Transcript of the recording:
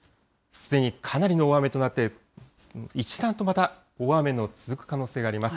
すでにかなりの大雨となって、一段とまた大雨の続く可能性があります。